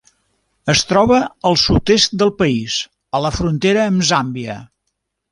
Es troba al sud-est del país, a la frontera amb Zàmbia.